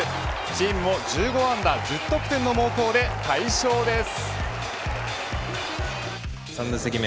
チームも１５安打１０得点の猛攻で快勝です。